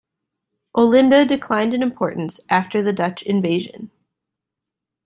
Olinda declined in importance after the Dutch invasion.